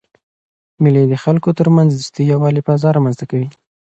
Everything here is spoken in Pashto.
مېلې د خلکو ترمنځ د دوستۍ او یووالي فضا رامنځ ته کوي.